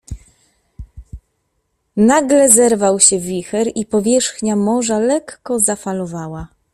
"Nagle zerwał się wicher i powierzchnia morza lekko zafalowała."